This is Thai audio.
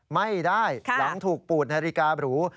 ไม่ได้หลังถูกปูดนาฬิกาบรู